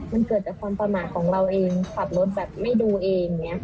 มันเกิดจากความประหมาติของเราเอง